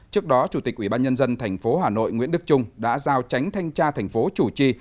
trước đó chủ tịch ubnd tp hà nội nguyễn đức trung đã giao tránh thanh tra thành phố chủ trì